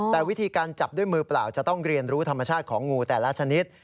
แต่วิธีการจับด้วยมือเปล่าจะต้องเรียนรู้ธรรมชาติของงูแต่ละชนิด